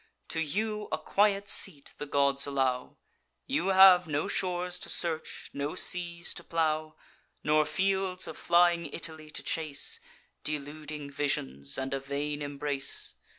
To you a quiet seat the gods allow: You have no shores to search, no seas to plow, Nor fields of flying Italy to chase: (Deluding visions, and a vain embrace!)